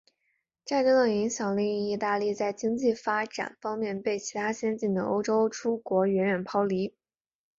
战争的影响令意大利在经济发展方面被其他先进的欧洲诸国远远抛离。